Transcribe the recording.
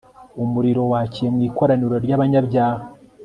umuriro wakiye mu ikoraniro ry'abanyabyaha